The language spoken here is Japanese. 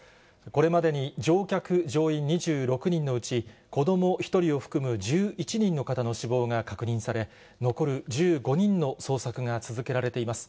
これまでに乗客・乗員２６人のうち、子ども１人を含む１１人の方の死亡が確認され、残る１５人の捜索が続けられています。